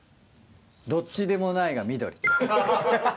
「どっちでもない」が緑。